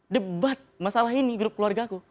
debat masalah ini grup keluarga aku